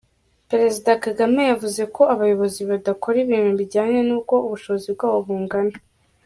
Perezida Kagame yavuze ko abayobozi badakora ibintu bijyanye n’uko ubushobozi bwabo bungana.